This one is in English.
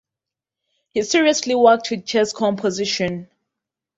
He seriously worked with chess composition.